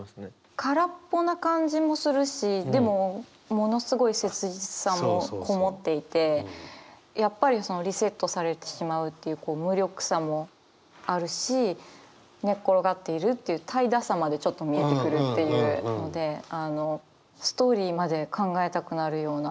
空っぽな感じもするしでもものすごい切実さも籠もっていてやっぱりリセットされてしまうっていう無力さもあるし寝っ転がっているっていう怠惰さまでちょっと見えてくるっていうのでストーリーまで考えたくなるような。